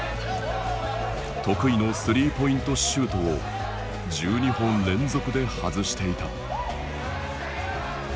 得意のスリーポイントシュートを１２本連続で外していた。